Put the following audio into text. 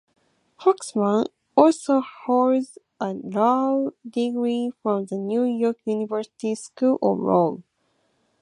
Foxman also holds a law degree from the New York University School of Law.